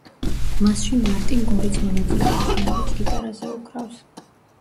მასში მარტინ გორიც მონაწილეობს, რომელიც გიტარაზე უკრავს.